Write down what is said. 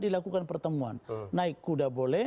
dilakukan pertemuan naik kuda boleh